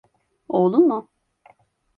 Oğlun mu?